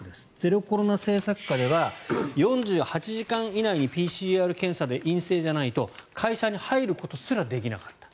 政策下では４８時間以内にＰＣＲ検査で陰性じゃないと会社に入ることすらできなかった。